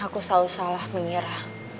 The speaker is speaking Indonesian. aku selalu salah mengira